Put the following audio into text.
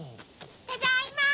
ただいま！